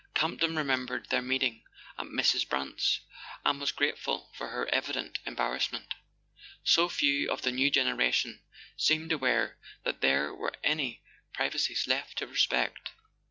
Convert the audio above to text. Camp ton remembered their meeting at Mrs. Brant's, and was grateful for her evident embarrass¬ ment. So few of the new generation seemed aware that there were any privacies left to respect!